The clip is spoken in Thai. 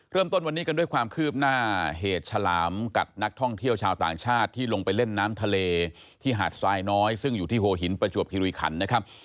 เริ่มต้นวันนี้กันด้วยความคืบหน้าเหตุฉลามกัดนักท่องเที่ยวชาวต่างชาติที่ลงไปเล่นน้ำทะเลที่หาดทรายน้อยซึ่งอยู่ที่หัวหินประจวบคิริขันนะครับ